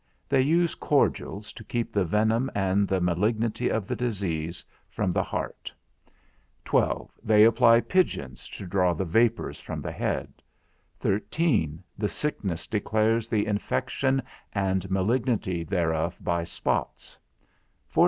They use cordials, to keep the venom and the malignity of the disease from the heart 69 12. They apply pigeons, to draw the vapours from the head 77 13. The sickness declares the infection and malignity thereof by spots 83 14.